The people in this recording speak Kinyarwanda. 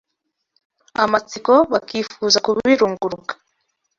amatsiko, bakifuza kubirunguruka